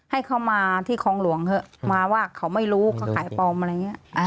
ให้เขามาที่คลองหลวงเถอะมาว่าเขาไม่รู้เขาขายปลอมอะไรอย่างนี้